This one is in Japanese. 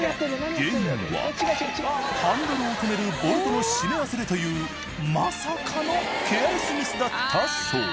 原因はハンドルを留めるボルトの締め忘れというまさかのケアレスミスだったそう。